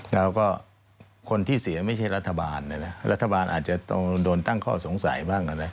แล้วก็คนที่เสียไม่ใช่รัฐบาลรัฐบาลอาจจะต้องโดนตั้งข้อสงสัยบ้าง